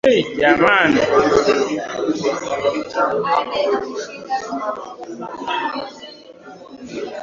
Unaweza Jehovah Rapha,